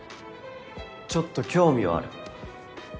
ちょっと興味はある。